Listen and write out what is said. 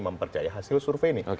mempercaya hasil survei ini